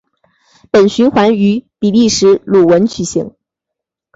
本循环于比利时鲁汶举行。